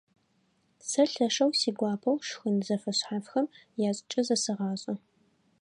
Сэ лъэшэу сигуапэу шхын зэфэшъхьафхэм яшӀыкӀэ зэсэгъашӀэ.